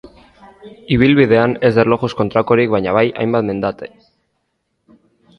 Ibilbidean ez da erlojuz kontrakorik baina bai hainbat mendate.